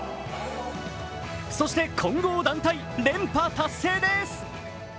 そして混合団体、連覇達成です。